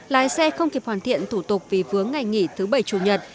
lái xe không kịp hoàn thiện thủ tục vì vướng ngày nghỉ thứ bảy chủ nhật